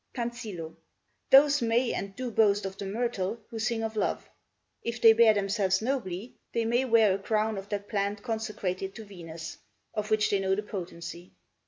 Tansillo Those may and do boast of the myrtle who sing of love: if they bear themselves nobly, they may wear a crown of that plant consecrated to Venus, of which they know the potency.